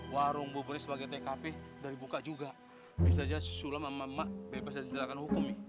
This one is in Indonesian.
warung buberi sebagai tkp dari buka juga bisa aja sulam ama mbak bebas jelakan hukum